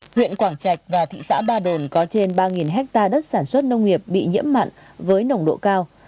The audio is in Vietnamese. huyện quảng trạch và thị xã ba đồn có trên ba hectare đất sản xuất nông nghiệp bị nhiễm mặn với nồng độ cao